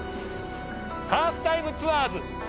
『ハーフタイムツアーズ』。